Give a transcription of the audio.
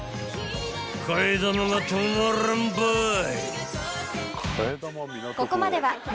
［替玉が止まらんばい！］